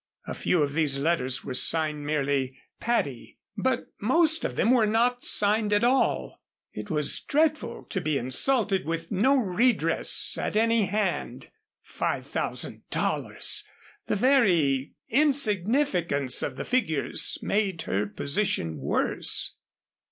A few of these letters were signed merely "Patty," but most of them were not signed at all. It was dreadful to be insulted with no redress at any hand. Five thousand dollars! The very insignificance of the figures made her position worse.